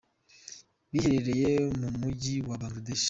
biherereye mu mu Mujyi wa Bangladesh.